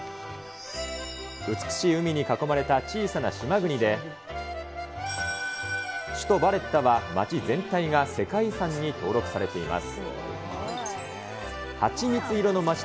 美しい海に囲まれた小さな島国で、首都バレッタは街全体が世界遺産に登録されています。